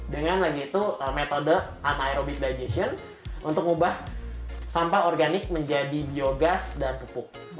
dengan lagi itu metode anaerobik dugation untuk mengubah sampah organik menjadi biogas dan pupuk